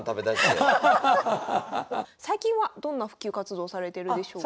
最近はどんな普及活動されてるんでしょうか？